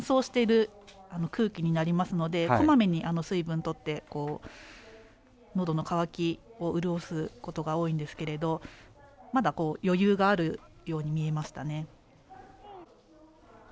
すごい乾燥している空気になりますのでこまめに水分とってのどの渇きを潤すことが多いんですけどまだ余裕があるように見えますね。